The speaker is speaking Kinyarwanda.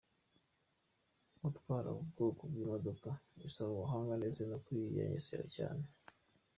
Gutwara ubu bwoko bw’imodoka bisaba ubuhanga ndetse no kwigengesera cyane.